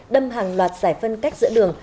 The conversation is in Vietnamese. đâm hàng loạt giải phân cách giữa đường